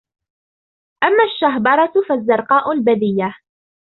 أَمَّا الشَّهْبَرَةُ فَالزَّرْقَاءُ الْبَذِيَّةُ